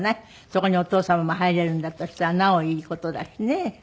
そこにお父様も入れるんだとしたらなおいい事だしね。